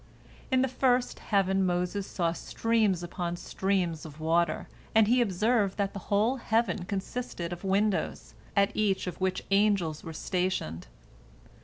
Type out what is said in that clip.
In the first heaven Moses saw streams upon streams of water, and he observed that the whole heaven consisted of windows, at each of which angels were stationed.